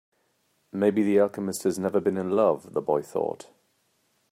Maybe the alchemist has never been in love, the boy thought.